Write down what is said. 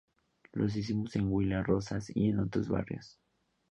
Lo hicimos en Villa Rosas, y en otros barrios".